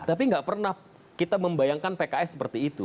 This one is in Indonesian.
tapi nggak pernah kita membayangkan pks seperti itu